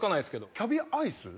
キャビアアイス？